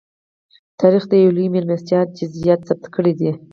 تاریخ د یوې لویې مېلمستیا جزییات ثبت کړي دي.